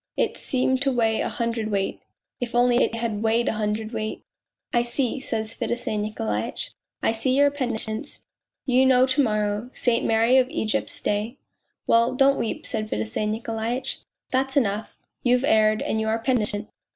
' It seemed to weigh a hundredweight ... (if only it had weighed a hundred weight !)....'! see,' says Fedosey Nikolaitch, ' I see your penitence ... you know to morrow. ...'' St. Mary of Egypt's day. ...'' Well, don't weep,' said Fedosey Nikolaitch, ' that's enough : you've erred, and you are penitent